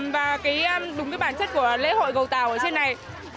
và đúng với bản chất của lễ hội gầu tàu ở trên này